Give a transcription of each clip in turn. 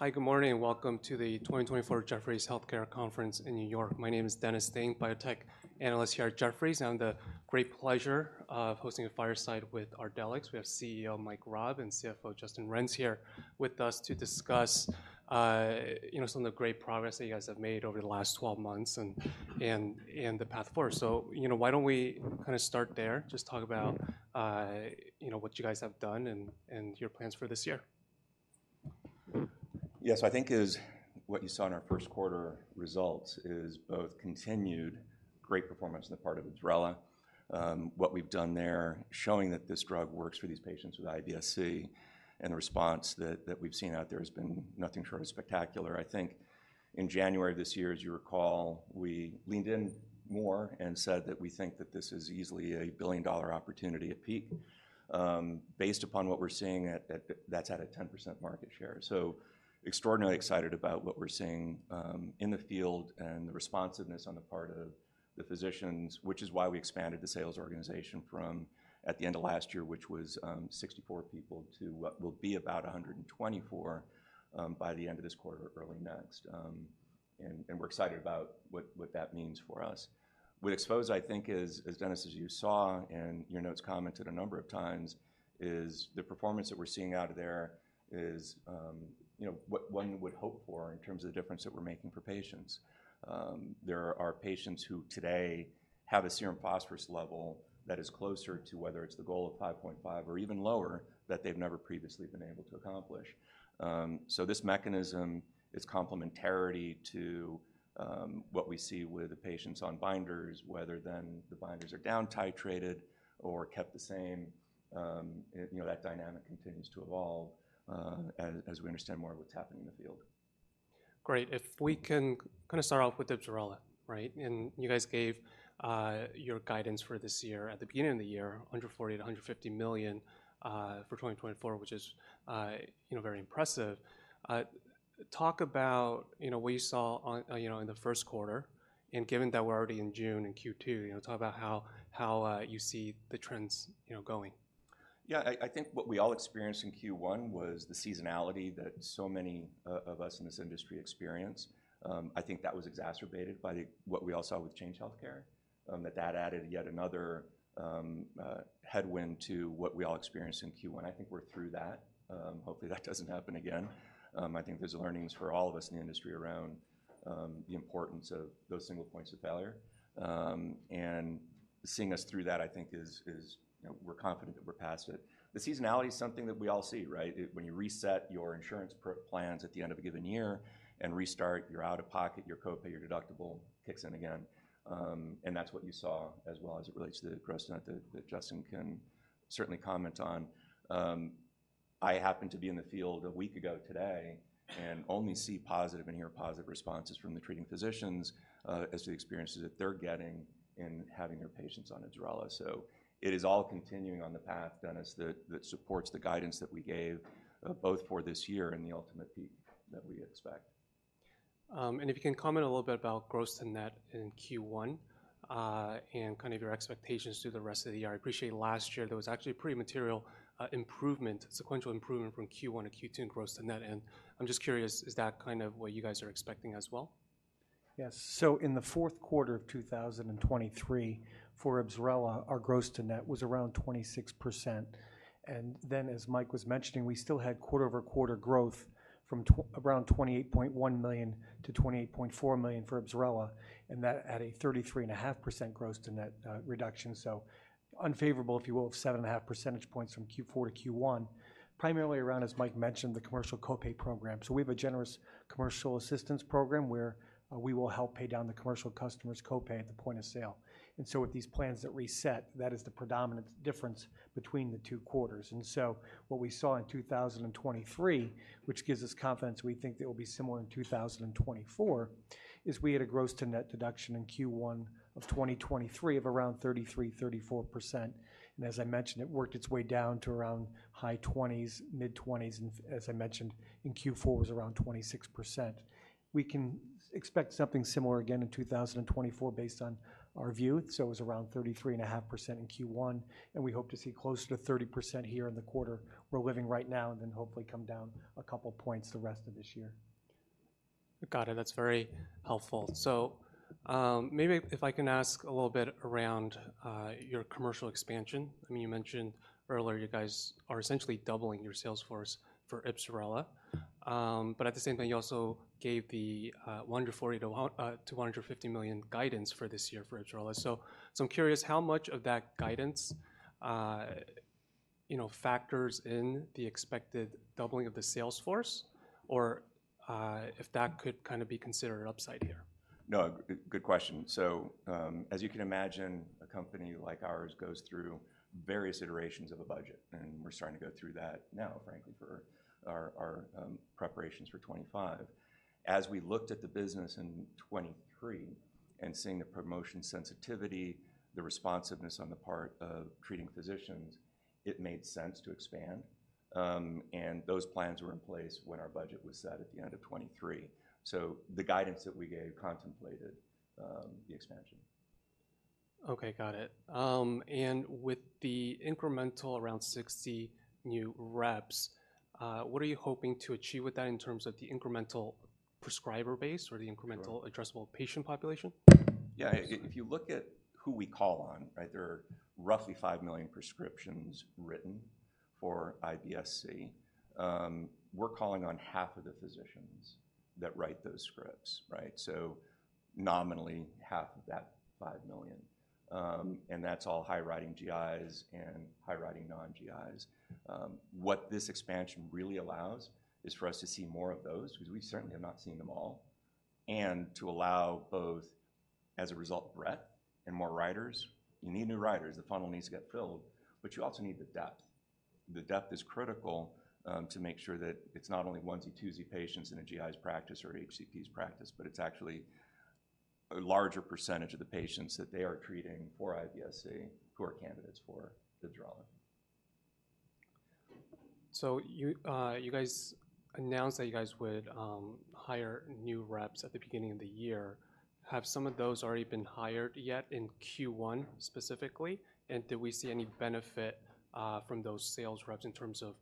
Hi, good morning, and welcome to the 2024 Jefferies Healthcare Conference in New York. My name is Dennis Ding, biotech analyst here at Jefferies, and I have the great pleasure of hosting a fireside with Ardelyx. We have CEO Mike Raab and CFO Justin Renz here with us to discuss, you know, some of the great progress that you guys have made over the last 12 months and the path forward. So, you know, why don't we kinda start there? Just talk about, you know, what you guys have done and your plans for this year. Yes, so I think as what you saw in our first quarter results is both continued great performance on the part of IBSRELA. What we've done there, showing that this drug works for these patients with IBS-C, and the response that we've seen out there has been nothing short of spectacular. I think in January of this year, as you recall, we leaned in more and said that we think that this is easily a billion-dollar opportunity at peak. Based upon what we're seeing, that's at a 10% market share. So extraordinarily excited about what we're seeing in the field and the responsiveness on the part of the physicians, which is why we expanded the sales organization from, at the end of last year, which was, 64 people, to what will be about 124, by the end of this quarter or early next. And we're excited about what that means for us. With XPHOZAH, I think is, as Dennis, as you saw, and your notes commented a number of times, is the performance that we're seeing out of there is, you know, what one would hope for in terms of the difference that we're making for patients. There are patients who today have a serum phosphorus level that is closer to whether it's the goal of 5.5 or even lower, that they've never previously been able to accomplish. So this mechanism is complementary to what we see with the patients on binders, whether than the binders are down titrated or kept the same. You know, that dynamic continues to evolve, as we understand more of what's happening in the field. Great. If we can kinda start off with IBSRELA, right? And you guys gave your guidance for this year at the beginning of the year, $140 million-$150 million for 2024, which is, you know, very impressive. Talk about, you know, what you saw on, you know, in the first quarter, and given that we're already in June in Q2, you know, talk about how, how you see the trends, you know, going. Yeah, I think what we all experienced in Q1 was the seasonality that so many of us in this industry experience. I think that was exacerbated by what we all saw with Change Healthcare, that added yet another headwind to what we all experienced in Q1. I think we're through that. Hopefully, that doesn't happen again. I think there's learnings for all of us in the industry around the importance of those single points of failure. And seeing us through that, I think you know, we're confident that we're past it. The seasonality is something that we all see, right? When you reset your insurance plans at the end of a given year and restart, your out-of-pocket, your copay, your deductible kicks in again, and that's what you saw as well as it relates to the gross amount that, that Justin can certainly comment on. I happened to be in the field a week ago today and only see positive and hear positive responses from the treating physicians, as to the experiences that they're getting in having their patients on IBSRELA. So it is all continuing on the path, Dennis, that, that supports the guidance that we gave, both for this year and the ultimate peak that we expect. If you can comment a little bit about gross to net in Q1, and kind of your expectations through the rest of the year. I appreciate last year, there was actually a pretty material improvement, sequential improvement from Q1 to Q2 in gross to net, and I'm just curious, is that kind of what you guys are expecting as well? Yes. So in the fourth quarter of 2023, for IBSRELA, our gross to net was around 26%. And then, as Mike was mentioning, we still had quarter-over-quarter growth from around $28.1 million to $28.4 million for IBSRELA, and that at a 33.5% gross to net reduction, so unfavorable, if you will, of 7.5 percentage points from Q4 to Q1, primarily around, as Mike mentioned, the commercial copay program. So we have a generous commercial assistance program where we will help pay down the commercial customer's copay at the point of sale. And so with these plans that reset, that is the predominant difference between the two quarters. What we saw in 2023, which gives us confidence we think that will be similar in 2024, is we had a gross to net deduction in Q1 of 2023 of around 33%-34%. As I mentioned, it worked its way down to around high 20s, mid-20s, and as I mentioned, in Q4 was around 26%. We can expect something similar again in 2024 based on our view. It was around 33.5% in Q1, and we hope to see closer to 30% here in the quarter we're living right now, and then hopefully come down a couple points the rest of this year. Got it. That's very helpful. So, maybe if I can ask a little bit around your commercial expansion. I mean, you mentioned earlier you guys are essentially doubling your sales force for IBSRELA. But at the same time, you also gave the $140 million-$150 million guidance for this year for IBSRELA. So, I'm curious how much of that guidance, you know, factors in the expected doubling of the sales force, or if that could kind of be considered upside here? No, good question. So, as you can imagine, a company like ours goes through various iterations of a budget, and we're starting to go through that now, frankly, for our preparations for 2025. As we looked at the business in 2023 and seeing the promotion sensitivity, the responsiveness on the part of treating physicians, it made sense to expand, and those plans were in place when our budget was set at the end of 2023. So the guidance that we gave contemplated the expansion. Okay, got it. And with the incremental around 60 new reps, what are you hoping to achieve with that in terms of the incremental prescriber base or the incremental- Sure. addressable patient population? Yeah, if you look at who we call on, right? There are roughly 5 million prescriptions written for IBS-C. We're calling on half of the physicians that write those scripts, right? So nominally, half of that 5 million, and that's all high-writing GIs and high-writing non-GIs. What this expansion really allows is for us to see more of those, because we certainly have not seen them all, and to allow both, as a result, breadth and more writers. You need new writers. The funnel needs to get filled, but you also need the depth. The depth is critical, to make sure that it's not only onesie, twosie patients in a GI's practice or HCP's practice, but it's actually a larger percentage of the patients that they are treating for IBS-C, who are candidates for IBSRELA. So you, you guys announced that you guys would hire new reps at the beginning of the year. Have some of those already been hired yet in Q1, specifically? And did we see any benefit, from those sales reps in terms of,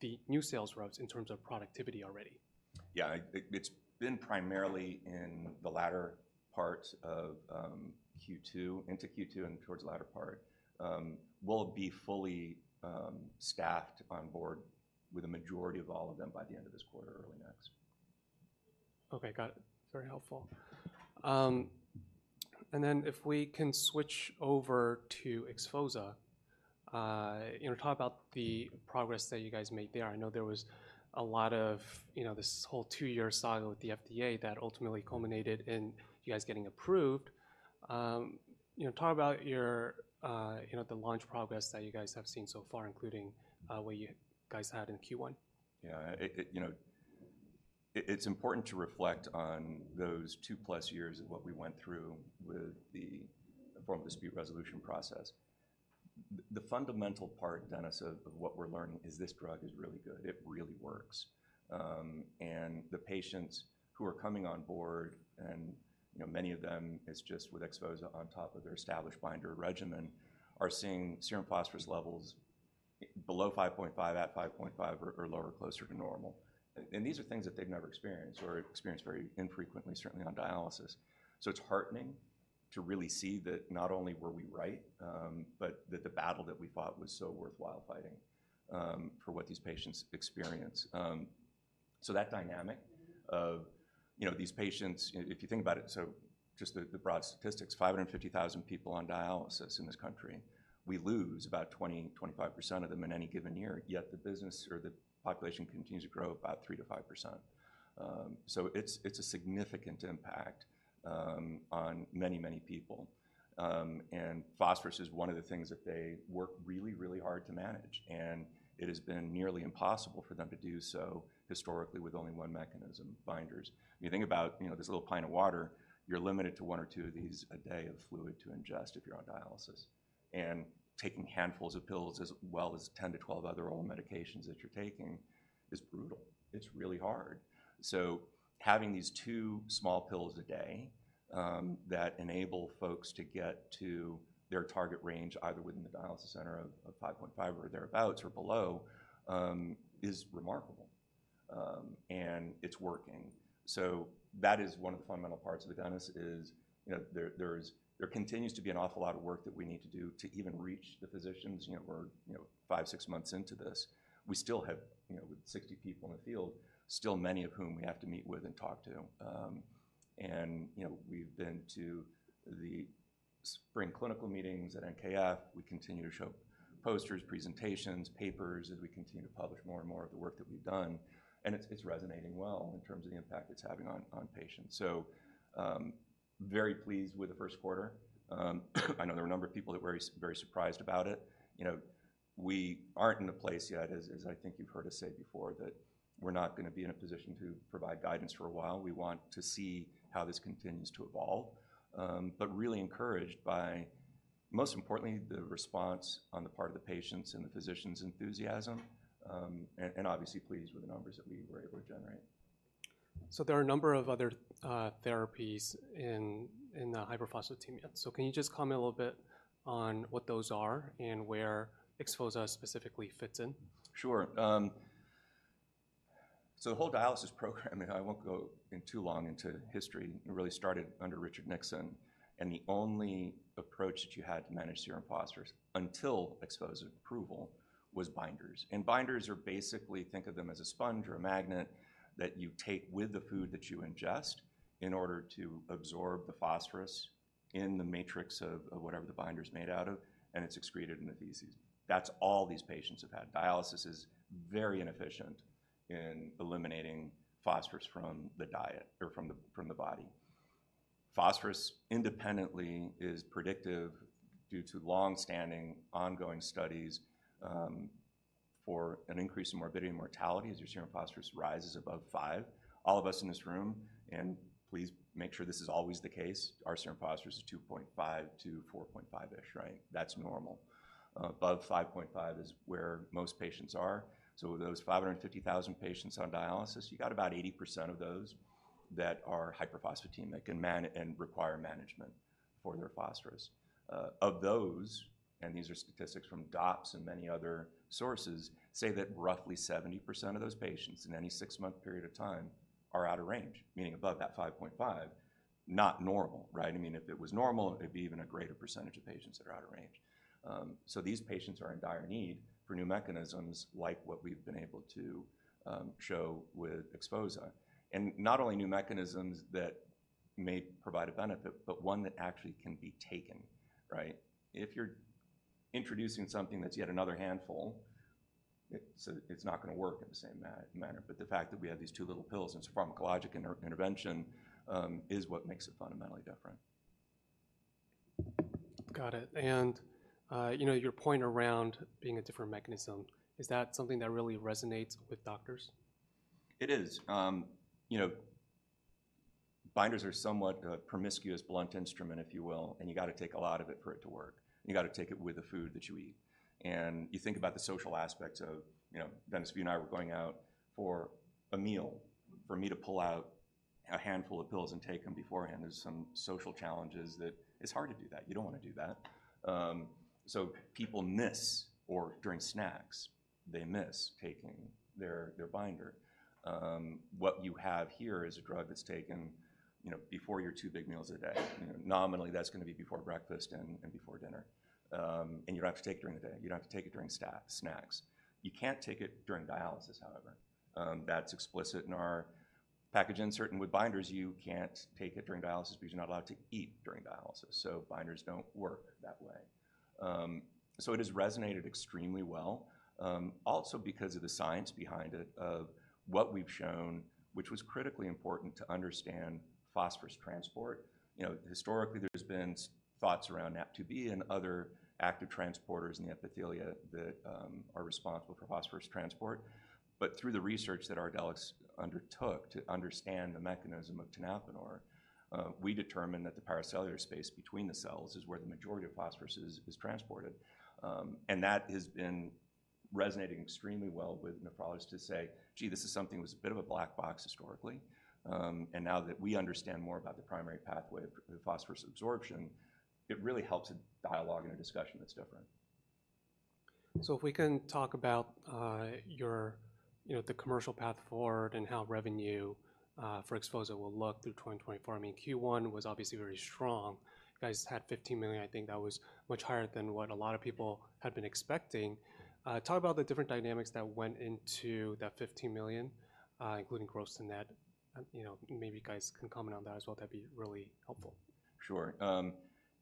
the new sales reps, in terms of productivity already? Yeah, it's been primarily in the latter part of Q2, into Q2 and towards the latter part. We'll be fully staffed on board with a majority of all of them by the end of this quarter or early next. Okay, got it. Very helpful. And then if we can switch over to XPHOZAH. You know, talk about the progress that you guys made there. I know there was a lot of, you know, this whole two-year saga with the FDA that ultimately culminated in you guys getting approved. You know, talk about your, you know, the launch progress that you guys have seen so far, including, what you guys had in Q1. Yeah. You know, it's important to reflect on those 2+ years of what we went through with the formal dispute resolution process. The fundamental part, Dennis, of what we're learning is this drug is really good. It really works. And the patients who are coming on board, and, you know, many of them, it's just with XPHOZAH on top of their established binder regimen, are seeing serum phosphorus levels below 5.5, at 5.5 or lower, closer to normal. And these are things that they've never experienced or experienced very infrequently, certainly on dialysis. So it's heartening to really see that not only were we right, but that the battle that we fought was so worthwhile fighting, for what these patients experience. So that dynamic of, you know, these patients, if you think about it, just the broad statistics, 550,000 people on dialysis in this country. We lose about 20-25% of them in any given year, yet the business or the population continues to grow about 3%-5%. So it's a significant impact on many, many people. And phosphorus is one of the things that they work really, really hard to manage, and it has been nearly impossible for them to do so historically, with only one mechanism, binders. You think about, you know, this little pint of water, you're limited to one or two of these a day of fluid to ingest if you're on dialysis. And taking handfuls of pills, as well as 10-12 other oral medications that you're taking, is brutal. It's really hard. So having these two small pills a day that enable folks to get to their target range, either within the dialysis center of 5.5 or thereabouts, or below, is remarkable. And it's working. So that is one of the fundamental parts of it, Dennis. You know, there continues to be an awful lot of work that we need to do to even reach the physicians. You know, we're 5-6 months into this. We still have, you know, with 60 people in the field, still many of whom we have to meet with and talk to. And, you know, we've been to the spring clinical meetings at NKF. We continue to show posters, presentations, papers, as we continue to publish more and more of the work that we've done, and it's resonating well in terms of the impact it's having on patients. So, very pleased with the first quarter. I know there are a number of people that were very, very surprised about it. You know, we aren't in a place yet, as I think you've heard us say before, that we're not gonna be in a position to provide guidance for a while. We want to see how this continues to evolve. But really encouraged by, most importantly, the response on the part of the patients and the physicians' enthusiasm, and obviously pleased with the numbers that we were able to generate. There are a number of other therapies in the hyperphosphatemia. Can you just comment a little bit on what those are and where XPHOZAH specifically fits in? Sure. So the whole dialysis program, and I won't go in too long into history, it really started under Richard Nixon, and the only approach that you had to manage serum phosphorus, until XPHOZAH approval, was binders. And binders are basically, think of them as a sponge or a magnet that you take with the food that you ingest in order to absorb the phosphorus in the matrix of, of whatever the binder's made out of, and it's excreted in the feces. That's all these patients have had. Dialysis is very inefficient in eliminating phosphorus from the diet or from the, from the body. Phosphorus independently is predictive due to long-standing, ongoing studies, for an increase in morbidity and mortality as your serum phosphorus rises above five. All of us in this room, and please make sure this is always the case, our serum phosphorus is 2.5 to 4.5-ish, right? That's normal. Above 5.5 is where most patients are. So those 550,000 patients on dialysis, you got about 80% of those that are hyperphosphatemic and man, and require management for their phosphorus. Of those, and these are statistics from DOPPS and many other sources, say that roughly 70% of those patients in any six-month period of time are out of range, meaning above that 5.5. Not normal, right? I mean, if it was normal, it'd be even a greater percentage of patients that are out of range. So these patients are in dire need for new mechanisms, like what we've been able to show with XPHOZAH. And not only new mechanisms that may provide a benefit, but one that actually can be taken, right? If you're introducing something that's yet another handful, it's not gonna work in the same manner. But the fact that we have these two little pills, and it's a pharmacologic intervention, is what makes it fundamentally different. Got it. And, you know, your point around being a different mechanism, is that something that really resonates with doctors? It is. You know, binders are somewhat a promiscuous, blunt instrument, if you will, and you gotta take a lot of it for it to work, and you gotta take it with the food that you eat. And you think about the social aspects of, you know, Dennis, if you and I were going out for a meal, for me to pull out a handful of pills and take them beforehand, there's some social challenges that it's hard to do that. You don't wanna do that. So people miss, or during snacks, they miss taking their, their binder. What you have here is a drug that's taken, you know, before your two big meals a day. You know, nominally, that's gonna be before breakfast and, and before dinner. And you don't have to take during the day. You don't have to take it during snacks. You can't take it during dialysis, however. That's explicit in our package insert. And with binders, you can't take it during dialysis because you're not allowed to eat during dialysis, so binders don't work that way. So it has resonated extremely well, also because of the science behind it, of what we've shown, which was critically important to understand phosphorus transport. You know, historically, there's been thoughts around Na+/H+ and other active transporters in the epithelia that are responsible for phosphorus transport. But through the research that Ardelyx undertook to understand the mechanism of tenapanor, we determined that the paracellular space between the cells is where the majority of phosphorus is transported. That has been resonating extremely well with nephrologists to say, "Gee, this is something that was a bit of a black box historically." Now that we understand more about the primary pathway of phosphorus absorption, it really helps a dialogue and a discussion that's different. So if we can talk about your, you know, the commercial path forward and how revenue for XPHOZAH will look through 2024. I mean, Q1 was obviously very strong. You guys had $15 million. I think that was much higher than what a lot of people had been expecting. Talk about the different dynamics that went into that $15 million, including gross and net. You know, maybe you guys can comment on that as well. That'd be really helpful. Sure.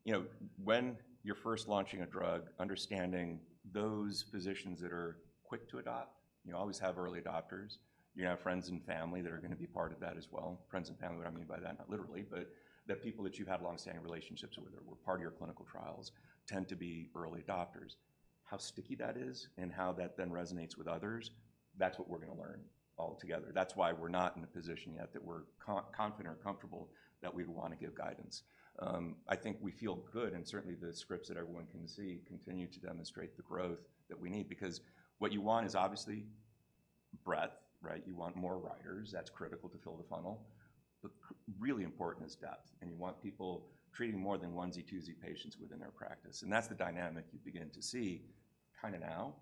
You know, when you're first launching a drug, understanding those physicians that are quick to adopt, you always have early adopters. You're gonna have friends and family that are gonna be part of that as well. Friends and family, what I mean by that, not literally, but the people that you have longstanding relationships with or were part of your clinical trials tend to be early adopters. How sticky that is and how that then resonates with others, that's what we're gonna learn altogether. That's why we're not in a position yet that we're confident or comfortable that we'd wanna give guidance. I think we feel good, and certainly, the scripts that everyone can see continue to demonstrate the growth that we need, because what you want is obviously breadth, right? You want more writers. That's critical to fill the funnel. But really important is depth, and you want people treating more than onesie, twosie patients within their practice, and that's the dynamic you begin to see kinda now,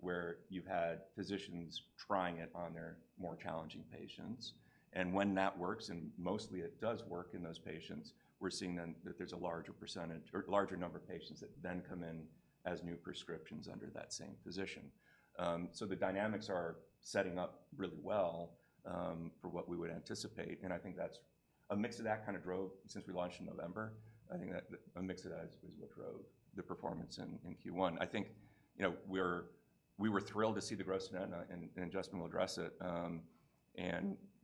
where you've had physicians trying it on their more challenging patients. And when that works, and mostly it does work in those patients, we're seeing then that there's a larger percentage or larger number of patients that then come in as new prescriptions under that same physician. So the dynamics are setting up really well for what we would anticipate, and I think that's a mix of that kinda drove, since we launched in November. I think that a mix of that is what drove the performance in Q1. I think, you know, we were thrilled to see the gross net, and Justin will address it.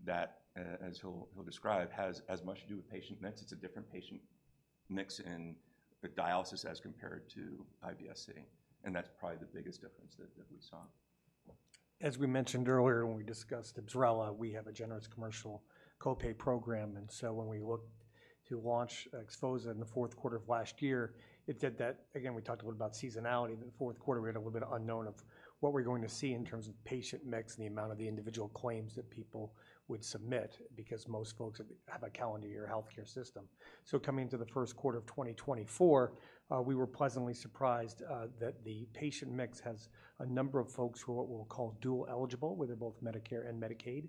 That, as he'll describe, has as much to do with patient mix. It's a different patient mix in the dialysis as compared to IBS-C, and that's probably the biggest difference that we saw. As we mentioned earlier when we discussed IBSRELA, we have a generous commercial co-pay program, and so when we looked to launch, XPHOZAH in the fourth quarter of last year, it did that. Again, we talked a little about seasonality. The fourth quarter, we had a little bit of unknown of what we're going to see in terms of patient mix and the amount of the individual claims that people would submit, because most folks have a calendar year healthcare system. So coming into the first quarter of 2024, we were pleasantly surprised, that the patient mix has a number of folks who are what we'll call dual eligible, where they're both Medicare and Medicaid.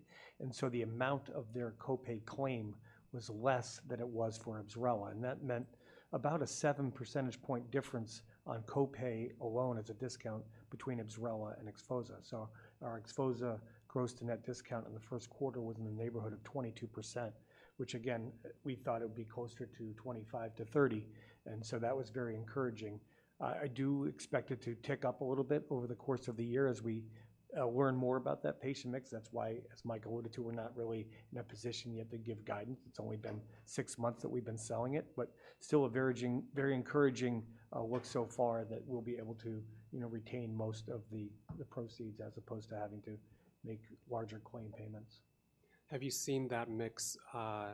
The amount of their co-pay claim was less than it was for IBSRELA, and that meant about a seven percentage point difference on co-pay alone as a discount between IBSRELA and XPHOZAH. So our XPHOZAH gross to net discount in the first quarter was in the neighborhood of 22%, which again, we thought it would be closer to 25%-30%, and so that was very encouraging. I do expect it to tick up a little bit over the course of the year as we learn more about that patient mix. That's why, as Mike alluded to, we're not really in a position yet to give guidance. It's only been six months that we've been selling it, but still very encouraging look so far that we'll be able to, you know, retain most of the proceeds, as opposed to having to make larger claim payments. Have you seen that mix,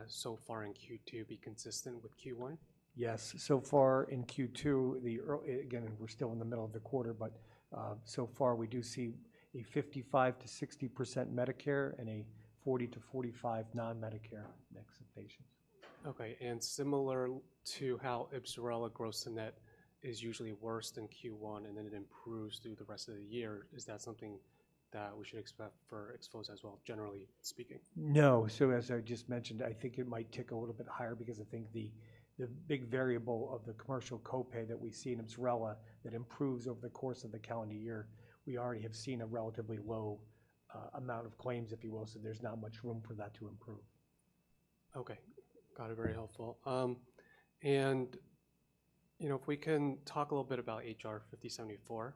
so far in Q2, be consistent with Q1? Yes. So far in Q2, again, we're still in the middle of the quarter, but, so far we do see a 55%-60% Medicare and a 40-45 non-Medicare mix of patients. Okay, and similar to how IBSRELA gross net is usually worse than Q1, and then it improves through the rest of the year, is that something that we should expect for XPHOZAH as well, generally speaking? No. So as I just mentioned, I think it might tick a little bit higher because I think the big variable of the commercial copay that we see in IBSRELA, that improves over the course of the calendar year, we already have seen a relatively low amount of claims, if you will, so there's not much room for that to improve. Okay. Got it, very helpful. And, you know, if we can talk a little bit about H.R. 5074.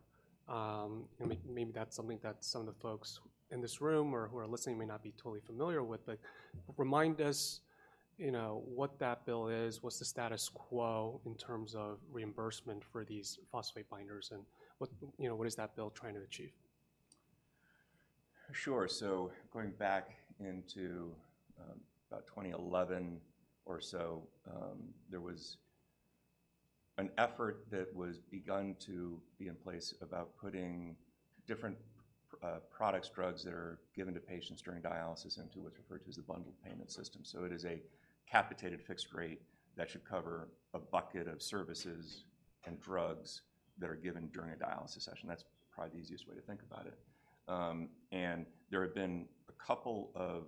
And maybe that's something that some of the folks in this room or who are listening may not be totally familiar with, but remind us, you know, what that bill is, what's the status quo in terms of reimbursement for these phosphate binders, and what, you know, what is that bill trying to achieve? Sure. So going back into about 2011 or so, there was an effort that was begun to be in place about putting different products, drugs that are given to patients during dialysis into what's referred to as a bundled payment system. So it is a capitated fixed rate that should cover a bucket of services and drugs that are given during a dialysis session. That's probably the easiest way to think about it. And there have been a couple of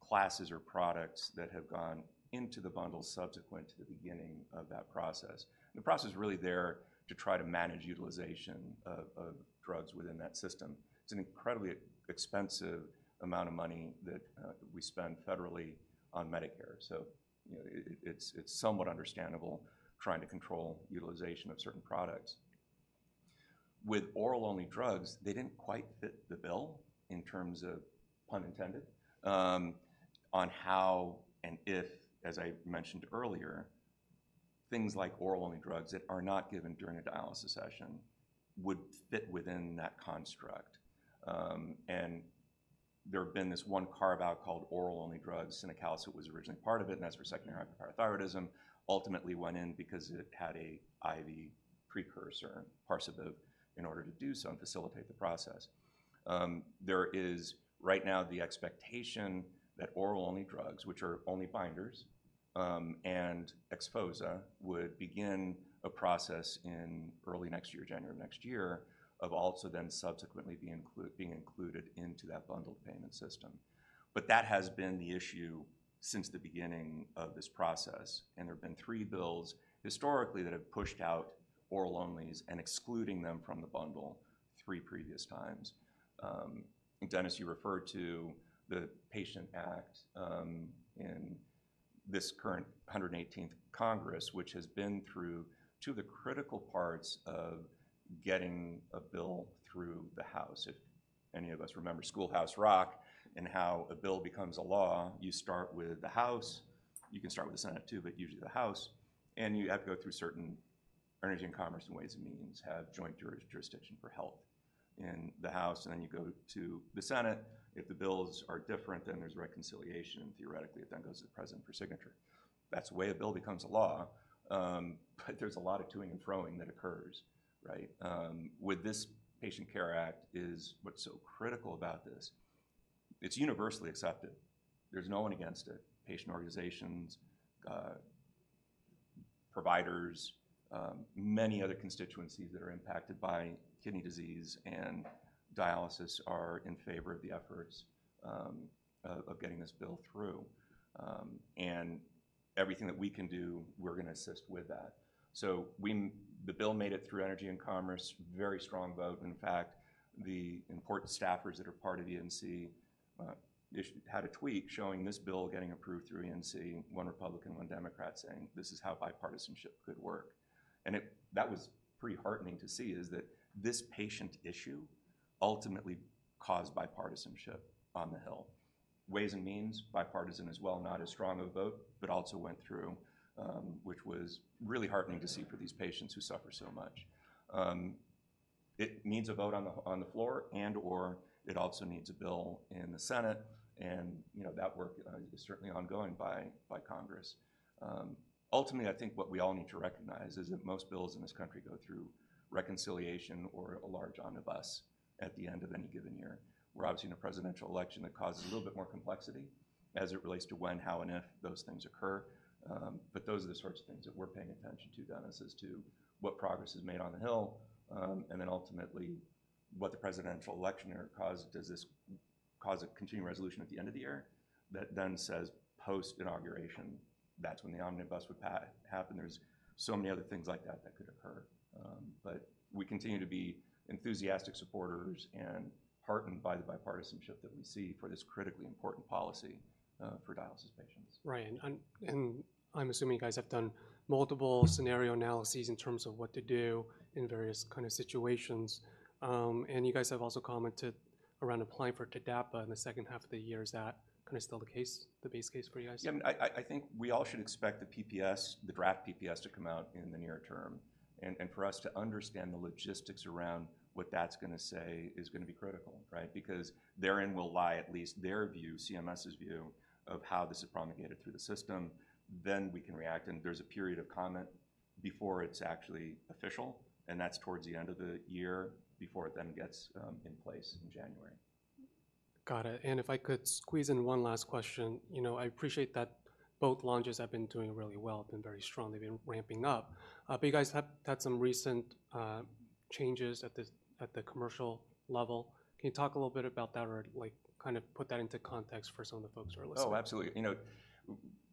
classes or products that have gone into the bundle subsequent to the beginning of that process. The process is really there to try to manage utilization of drugs within that system. It's an incredibly expensive amount of money that we spend federally on Medicare. So, you know, it's somewhat understandable trying to control utilization of certain products. With oral-only drugs, they didn't quite fit the bill in terms of, pun intended, on how and if, as I mentioned earlier, things like oral-only drugs that are not given during a dialysis session would fit within that construct. And there had been this one carve-out called oral-only drugs, cinacalcet was originally part of it, and that's for secondary hyperparathyroidism. Ultimately went in because it had a IV precursor, Parsabiv, in order to do so and facilitate the process. There is right now the expectation that oral-only drugs, which are only binders, and XPHOZAH, would begin a process in early next year, January of next year, of also then subsequently being included into that bundled payment system. But that has been the issue since the beginning of this process, and there have been three bills historically that have pushed out oral-onlys and excluding them from the bundle three previous times. And Dennis, you referred to the PATIENT Act in this current 118th Congress, which has been through two of the critical parts of getting a bill through the House. If any of us remember Schoolhouse Rock and how a bill becomes a law, you start with the House. You can start with the Senate, too, but usually the House, and you have to go through certain Energy and Commerce and Ways and Means, have joint jurisdiction for Health in the House, and then you go to the Senate. If the bills are different, then there's reconciliation, and theoretically, it then goes to the President for signature. That's the way a bill becomes a law. But there's a lot of toing and froing that occurs, right? With this Kidney PATIENT Act is what's so critical about this, it's universally accepted. There's no one against it. Patient organizations, providers, many other constituencies that are impacted by kidney disease and dialysis are in favor of the efforts of getting this bill through. And everything that we can do, we're gonna assist with that. The bill made it through Energy and Commerce, very strong vote. In fact, the important staffers that are part of E and C had a tweet showing this bill getting approved through E and C, one Republican, one Democrat, saying, "This is how bipartisanship could work." And that was pretty heartening to see, is that this patient issue ultimately caused bipartisanship on the Hill. Ways and Means, bipartisan as well, not as strong a vote, but also went through, which was really heartening to see for these patients who suffer so much. It needs a vote on the floor and/or it also needs a bill in the Senate, and, you know, that work is certainly ongoing by Congress. Ultimately, I think what we all need to recognize is that most bills in this country go through reconciliation or a large omnibus at the end of any given year. We're obviously in a presidential election that causes a little bit more complexity as it relates to when, how, and if those things occur. But those are the sorts of things that we're paying attention to, Dennis, as to what progress is made on the Hill, and then ultimately, what the presidential election or cause, does this cause a continuing resolution at the end of the year? That then says post-inauguration, that's when the omnibus would happen. There's so many other things like that that could occur. But we continue to be enthusiastic supporters and heartened by the bipartisanship that we see for this critically important policy, for dialysis patients. Right, and I'm assuming you guys have done multiple scenario analyses in terms of what to do in various kind of situations. And you guys have also commented around applying for TDAPA in the second half of the year. Is that kind of still the case, the base case for you guys? Yeah, and I think we all should expect the PPS, the draft PPS, to come out in the near term. And for us to understand the logistics around what that's gonna say is gonna be critical, right? Because therein will lie at least their view, CMS's view, of how this is propagated through the system. Then we can react, and there's a period of comment before it's actually official, and that's towards the end of the year, before it then gets in place in January. Got it, and if I could squeeze in one last question. You know, I appreciate that both launches have been doing really well, been very strong. They've been ramping up. But you guys have had some recent changes at the commercial level. Can you talk a little bit about that or, like, kind of put that into context for some of the folks who are listening? Oh, absolutely. You know,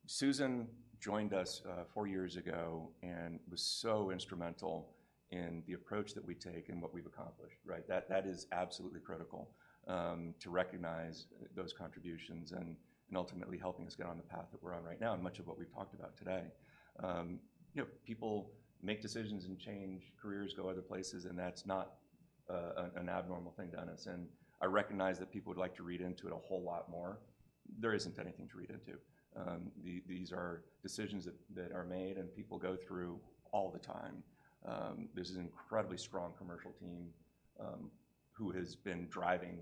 Susan joined us four years ago and was so instrumental in the approach that we take and what we've accomplished, right? That is absolutely critical to recognize those contributions and ultimately helping us get on the path that we're on right now, and much of what we've talked about today. You know, people make decisions and change, careers go other places, and that's not an abnormal thing, Dennis, and I recognize that people would like to read into it a whole lot more. There isn't anything to read into. These are decisions that are made and people go through all the time. This is an incredibly strong commercial team who has been driving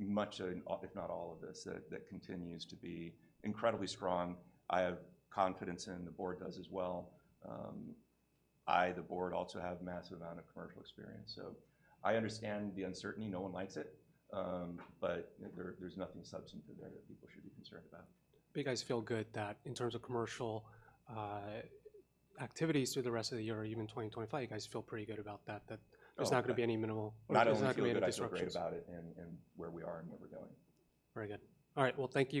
much of, if not all of this, that continues to be incredibly strong. I have confidence in, the board does as well. I, the board, also have massive amount of commercial experience, so I understand the uncertainty. No one likes it, but there, there's nothing substantive there that people should be concerned about. But you guys feel good that in terms of commercial activities through the rest of the year or even 2025, you guys feel pretty good about that, that- Oh- ... there's not gonna be any minimal- Not only feel good- There's not gonna be any disruptions.... I feel great about it, and where we are and where we're going. Very good. All right, well, thank you, guys.